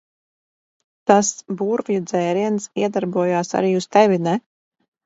Tas burvju dzēriens iedarbojās arī uz tevi, ne?